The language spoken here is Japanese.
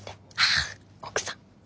あ奥さん。